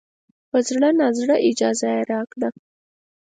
په زړه نازړه اجازه یې راکړه.